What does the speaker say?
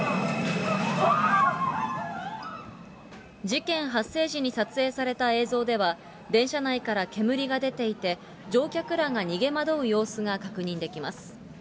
事件発生時に撮影された映像では、電車内から煙が出ていて、乗客らが逃げ惑う様子が確認できます。